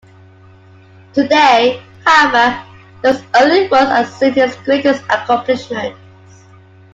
Today, however, those early works are seen as his greatest accomplishments.